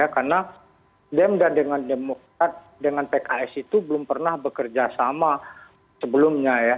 karena dem dan dengan demokrasi dengan pks itu belum pernah bekerja sama sebelumnya